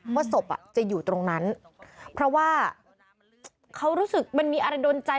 ศพจะอยู่ตรงนั้นเพราะว่าเขารู้สึกมันมีอะไรโดนใจ